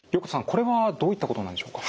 これはどういったことなんでしょうか。